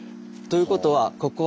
ということはああ。